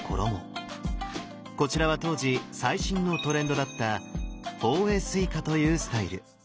こちらは当時最新のトレンドだった「法衣垂下」というスタイル。